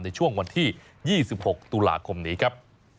ในช่วงวันที่๒๖ตุลาคมนี้ครับ